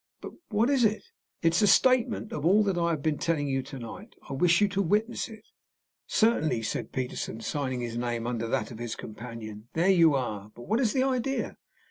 "But what is it?" "It is a statement of all that I have been telling you to night. I wish you to witness it." "Certainly," said Peterson, signing his name under that of his companion. "There you are! But what is the idea?"